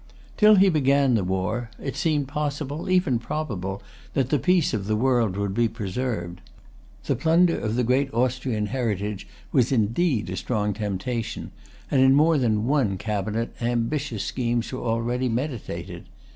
Till he began the war, it seemed possible, even probable, that the peace of the world would be preserved. The plunder of the great Austrian heritage was indeed a strong temptation; and in more than one cabinet ambitious schemes were already meditated.